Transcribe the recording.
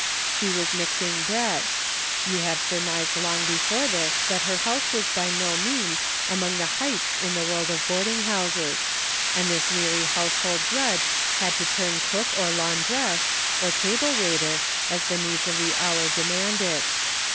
She was mix ing bread ; you have surmised long before this that her house was by no means among the heights in the world of boarding houses, and this weary house hold drudge had to turn cook or laundress, or table waiter, as the needs of the hour demanded.